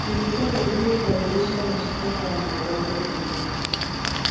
ilikuwa vigumu kuanzisha mashtaka ya mauaji ya kimbari